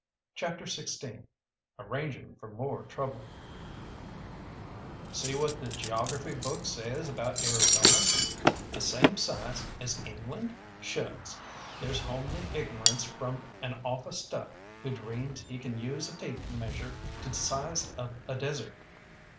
CHAPTER XVI ARRANGING FOR MORE TROUBLE See what the geography book says about Arizona the same size as England? Shucks! There's homely ignorance from an office duck who dreams he can use a tape measure to size up a desert.